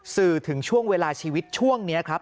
สื่อถึงช่วงเวลาชีวิตช่วงนี้ครับ